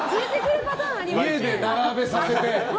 家で並べさせて。